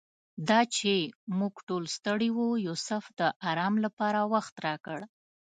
دا چې موږ ټول ستړي وو یوسف د آرام لپاره وخت راکړ.